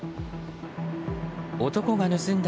男が盗んだ